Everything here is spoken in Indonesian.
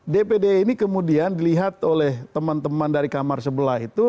dpd ini kemudian dilihat oleh teman teman dari kamar sebelah itu